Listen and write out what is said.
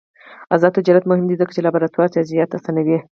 آزاد تجارت مهم دی ځکه چې لابراتوار تجهیزات اسانوي.